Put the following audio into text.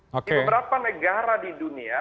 di beberapa negara di dunia